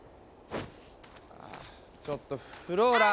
あぁちょっとフローラ！